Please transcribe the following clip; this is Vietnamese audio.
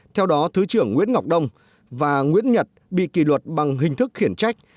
theo đó thứ trưởng nguyễn ngọc đông và nguyễn nhật bị kỷ luật bằng hình thức khiển trách